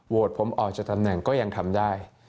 ผมออกจากตำแหน่งก็ยังทำได้